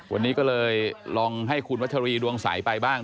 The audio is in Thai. วันนี้ก็เลยลองให้คุณวัชรีดวงใสไปบ้าง